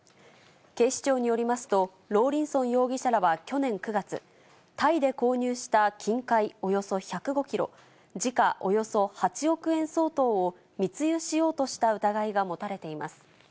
警視庁によりますと、ローリンソン容疑者らは去年９月、タイで購入した金塊およそ１０５キロ、時価およそ８億円相当を密輸しようとした疑いが持たれています。